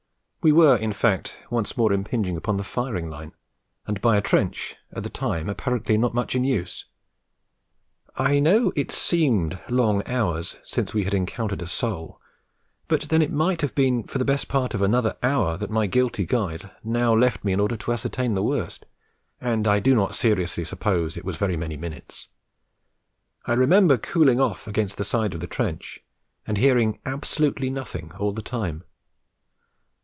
We were, in fact, once more impinging upon the firing line, and by a trench at the time, apparently, not much in use. I know it seemed long hours since we had encountered a soul; but then it might have been for the best part of another hour that my guilty guide now left me in order to ascertain the worst, and I do not seriously suppose it was very many minutes. I remember cooling off against the side of the trench, and hearing absolutely nothing all the time.